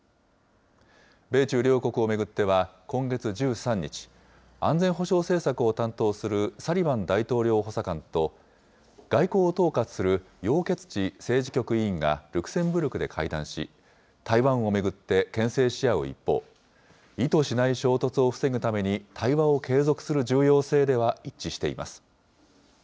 米中両国を巡っては今月１３日、安全保障政策を担当するサリバン大統領補佐官と、外交を統括する楊潔ち政治局委員がルクセンブルクで会談し、台湾を巡ってけん制し合う一方、意図しない衝突を防ぐために対話を継続する重要性では一致しています。